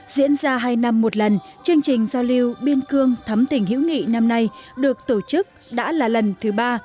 diễn ra hai năm một lần chương trình giao lưu biên cương thắm tỉnh hữu nghị năm nay được tổ chức đã là lần thứ ba